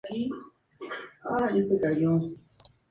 Éste año se une al grupo Supreme.